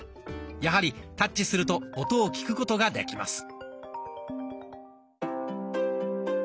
やはりタッチすると音を聞くことができます。